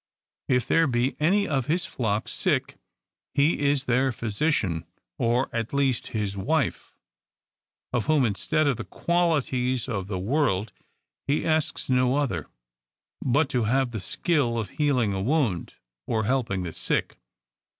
If there be any of his flock sick, he is their physician, — or at least his wife ; of whom, instead of the qualities of the world, he asks no other, but to have the skill of healing a wound, or helping the sick.